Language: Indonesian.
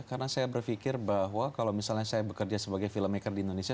karena saya berpikir bahwa kalau misalnya saya bekerja sebagai filmmaker di indonesia